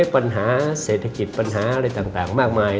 ปัญหาเศรษฐกิจปัญหาอะไรต่างมากมาย